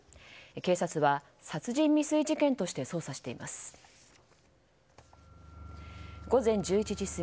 警察は殺人未遂事件として捜査しています。